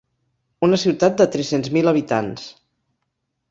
Una ciutat de tres-cents mil habitants.